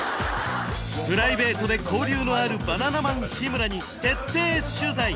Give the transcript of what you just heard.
プライベートで交流のあるバナナマン日村に徹底取材！